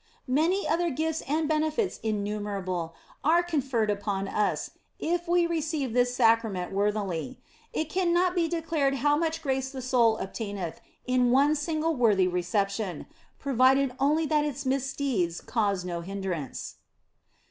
Many other gifts and benefits innumerable are con ferred upon us if we receive this Sacrament worthily ; it cannot be declared how much grace the soul obtaineth in one single worthy reception, provided only that its misdeeds cause no hindrance.